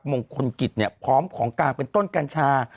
มงคลกิจเนี่ยพร้อมของกลางเป็นต้นกัญชา